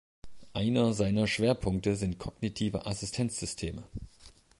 Einer seiner Schwerpunkte sind Kognitive Assistenzsysteme.